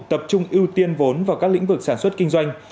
tập trung ưu tiên vốn vào các lĩnh vực sản xuất kinh doanh